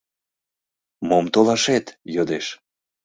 — Мом толашет? — йодеш.